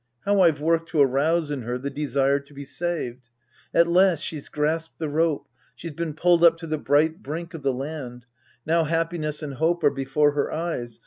How I've worked to arouse in her the desire to be saved ! At last she's grasped the rope. She's been pulled up to the bright brink of the land. Now happiness and hope are before her eyes.